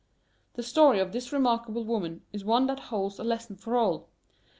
The story of this remarkable woman is one that holds a lesson for all.